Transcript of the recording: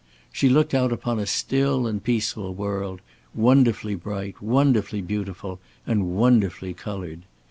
She looked out upon a still and peaceful world, wonderfully bright, wonderfully beautiful, and wonderfully colored.